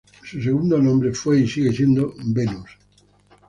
Su segundo nombre fue y sigue siendo "Venus".